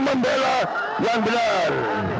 membela yang benar